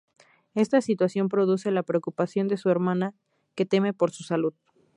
Esta situación produce la preocupación de su hermana, que teme por su salud.